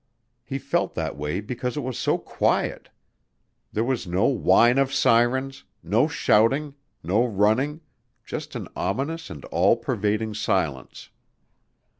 He felt that way because it was so quiet. There was no whine of sirens, no shouting, no running, just an ominous and all pervading silence.